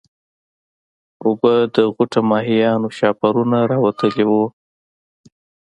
اوبه د غوټه ماهيانو شاهپرونه راوتلي وو.